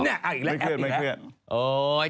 ไม่เครียด